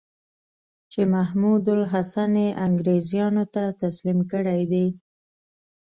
چې محمودالحسن یې انګرېزانو ته تسلیم کړی دی.